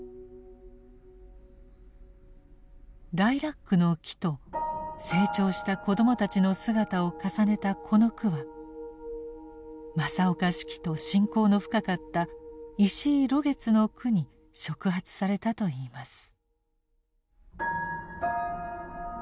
ライラックの木と成長した子どもたちの姿を重ねたこの句は正岡子規と親交の深かった石井露月の句に触発されたといいます。